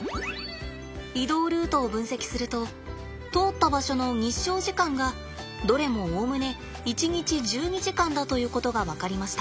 移動ルートを分析すると通った場所の日照時間がどれもおおむね一日１２時間だということが分かりました。